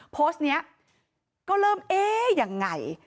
โพสต์นี้ก็เริ่มเอ้ยอย่างไร